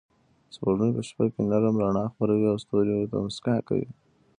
سپوږمۍ په شپه کې نرم رڼا خپروي او ستوري ورته موسکا کوي.